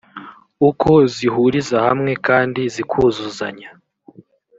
uko zihuriza hamwe kandi zikuzuzanya